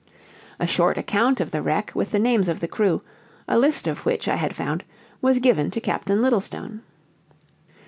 A short account of the wreck, with the names of the crew, a list of which I had found, was given to Captain Littlestone.